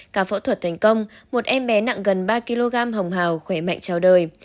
cả phẫu thuật thành công một em bé nặng gần ba kg hồng hào khỏe mạnh trào đời